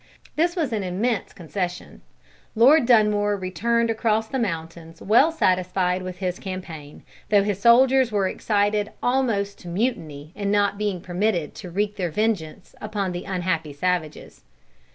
This was an immense concession. Lord Dunmore returned across the mountains well satisfied with his campaign, though his soldiers were excited almost to mutiny in not being permitted to wreak their vengeance upon the unhappy savages.